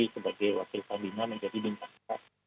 sebagai wakil panglima menjadi bintang empat